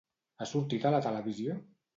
Ha sortit a la televisió?